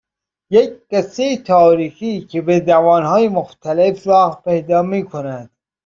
یک قصه تاریخی که به زبانهای مختلف راه پیدا میکند